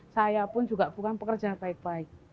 saya pun juga bukan pekerja baik baik